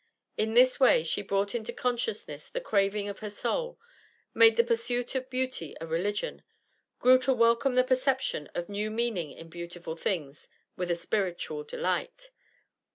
In this way she brought into consciousness the craving of her soul, made the pursuit of beauty a religion, grew to welcome the perception of new meaning in beautiful things with a spiritual delight.